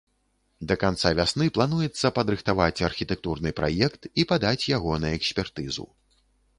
Да канца вясны плануецца падрыхтаваць архітэктурны праект і падаць яго на экспертызу.